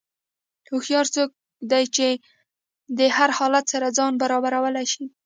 هوښیار څوک دی چې د هر حالت سره ځان برابرولی شي.